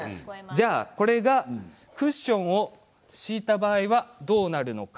これがクッションを敷いた場合はどうなるか。